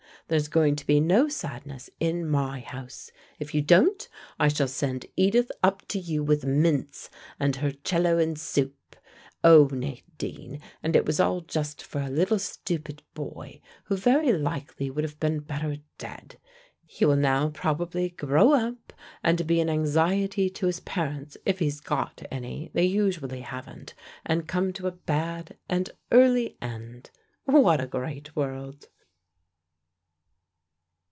There's going to be no sadness in my house. If you don't, I shall send Edith up to you with mince and her 'cello and soup. Oh, Nadine, and it was all just for a little stupid boy, who very likely would have been better dead. He will now probably grow up, and be an anxiety to his parents, if he's got any they usually haven't and come to a bad and early end. What a great world!"